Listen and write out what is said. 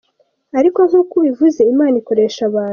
Ariko nk’uko ubivuze Imana ikoresha abantu.